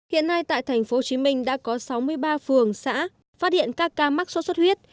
hiện nay tại tp hcm đã có sáu mươi ba phường xã phát hiện các ca mắc suất huyết